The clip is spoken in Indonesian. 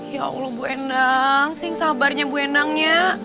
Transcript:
ya allah bu endang sih sabarnya bu endangnya